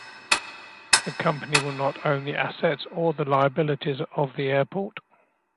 The company will not own the assets or the liabilities of the airport.